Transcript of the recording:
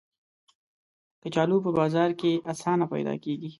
کچالو په بازار کې آسانه پیدا کېږي